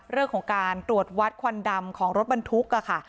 เรื่องของการตรวจวัดควันดำของรถบรรทุกค่ะ